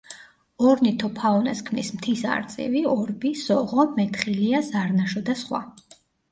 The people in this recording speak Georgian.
ორნითოფაუნას ქმნის მთის არწივი, ორბი, სოღო, მეთხილია, ზარნაშო და სხვა.